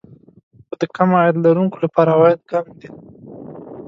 خو د کم عاید لرونکو لپاره عواید کم دي